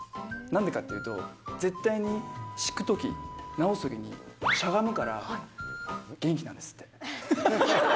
なんでかっていうと、絶対に敷くとき、直すときにしゃがむから、元気なんですって。